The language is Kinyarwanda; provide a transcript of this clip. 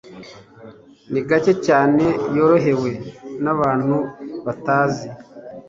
Ni gake cyane yorohewe n'abantu batazi.